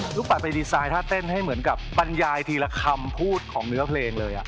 ปัดไปดีไซน์ท่าเต้นให้เหมือนกับบรรยายทีละคำพูดของเนื้อเพลงเลย